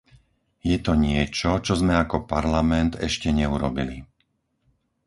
Je to niečo, čo sme ako Parlament ešte neurobili.